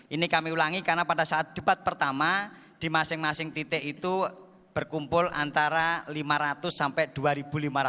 ini kami ulangi karena pada saat debat pertama di masing masing titik itu berkumpul antara lima ratus sampai dua lima ratus